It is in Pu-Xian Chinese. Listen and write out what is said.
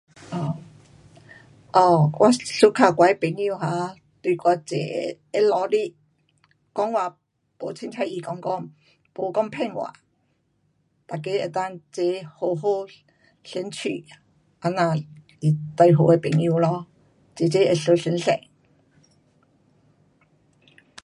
哦，哦，我 suka 我的朋友 um 对我齐，会老实，讲话没随便随讲讲。没讲骗话。每个能够齐好好相处。这样是最好的朋友咯。齐齐会互相信。